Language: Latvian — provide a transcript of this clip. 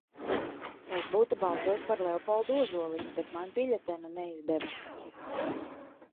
Es būtu balsojis par Leopoldu Ozoliņu, bet man biļetenu neizdeva.